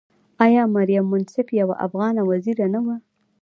آیا مریم منصف یوه افغانه وزیره نه وه؟